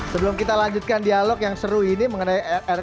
sebelum kita lanjutkan dialog yang seru ini mengenai